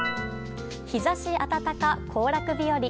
日差し暖か、行楽日和。